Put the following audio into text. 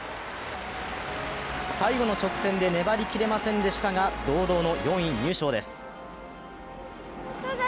最後の直線で粘りきれませんでしたが、堂々の４位入賞です。